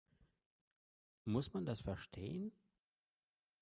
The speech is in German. Muss man das verstehen?